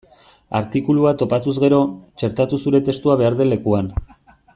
Artikulua topatuz gero, txertatu zure testua behar den lekuan.